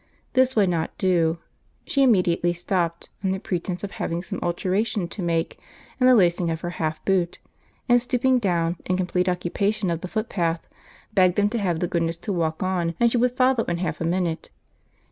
This would not do; she immediately stopped, under pretence of having some alteration to make in the lacing of her half boot, and stooping down in complete occupation of the footpath, begged them to have the goodness to walk on, and she would follow in half a minute.